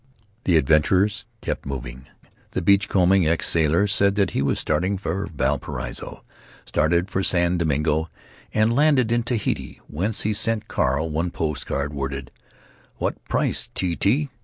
The adventurers kept moving. The beach combing ex sailor said that he was starting for Valparaiso, started for San Domingo, and landed in Tahiti, whence he sent Carl one post card, worded, "What price T. T.?"